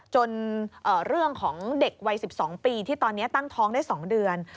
เรื่องของเด็กวัย๑๒ปีที่ตอนนี้ตั้งท้องได้๒เดือน